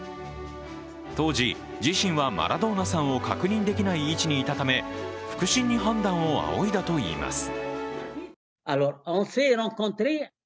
当時、自身はマラドーナさんを確認できない位置にいたため副審に判断をあおいだといいます。